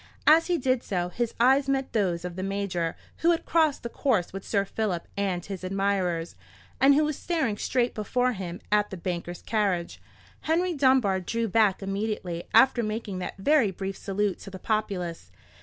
As he did so, his eyes met those of the Major, who had crossed the course with Sir Philip and his admirers, and who was staring straight before him at the banker's carriage. Henry Dunbar drew back immediately after making that very brief salute to the populace.